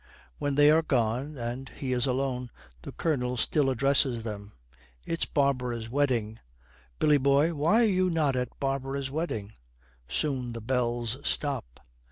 When they are gone and he is alone, the Colonel still addresses them. 'It's Barbara's wedding. Billy boy, why are you not at Barbara's wedding?' Soon the bells stop.